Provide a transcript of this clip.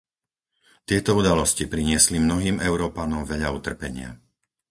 Tieto udalosti priniesli mnohým Európanom veľa utrpenia.